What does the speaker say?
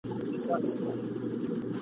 خپل مېړه يې خواږه خوب لره بلا سوه !.